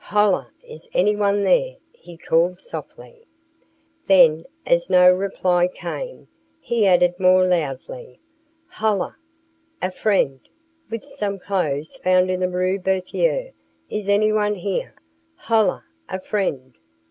"Hola! Is anyone there?" he called softly. Then, as no reply came, he added more loudly: "Hola! A friend with some clothes found in the Rue Berthier. Is anyone here? Hola! A friend!"